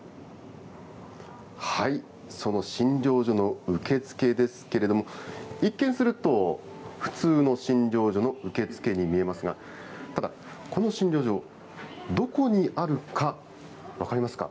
その診療所の受付ですけれども、一見すると、普通の診療所の受付に見えますが、ただ、この診療所、どこにあるか分かりますか？